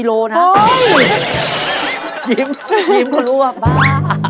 ต้องยิ่งรู้ว่าบ้า